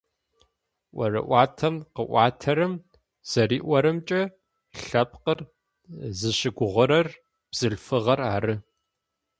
Ӏорыӏуатэм къыӏуатэрэм зэриӏорэмкӏэ, лъэпкъыр зыщыгугъурэр бзылъфыгъэр ары.